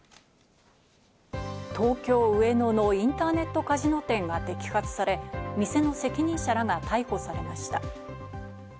東京・上野のインターネットカジノ店が摘発され、店の責任者らが逮捕されました。